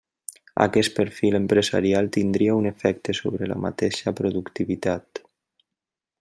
Aquest perfil empresarial tindria un efecte sobre la mateixa productivitat.